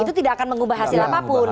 itu tidak akan mengubah hasil apapun